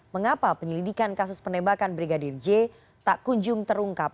mengapa penyelidikan kasus penembakan brigadir j tak kunjung terungkap